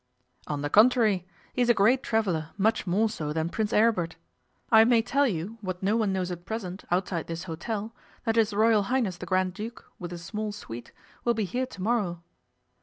'On the contrary, he is a great traveller, much more so than Prince Aribert. I may tell you, what no one knows at present, outside this hotel, that his Royal Highness the Grand Duke, with a small suite, will be here to morrow.